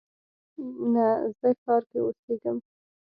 نه، زه ښار کې اوسیږم